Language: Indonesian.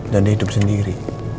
dan dia hidup sendiri